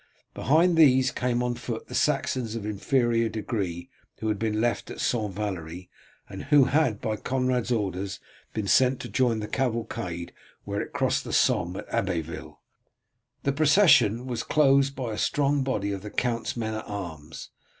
Behind these came on foot the Saxons of inferior degree who had been left at St. Valery, and who had by Conrad's orders been sent to join the cavalcade where it crossed the Somme at Abbeville; the procession was closed by a strong body of the count's men at arms.